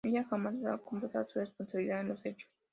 Ella jamás ha confesado su responsabilidad en los hechos.